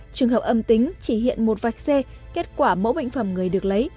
trường hợp âm tính chỉ hiện một vạch c kết quả mẫu bệnh phẩm người được lấy